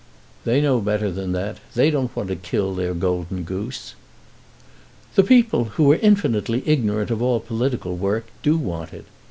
"They know better than that. They don't want to kill their golden goose." "The people, who are infinitely ignorant of all political work, do want it.